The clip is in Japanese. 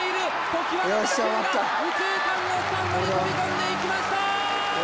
常盤の打球が右中間のスタンドに飛び込んでいきました！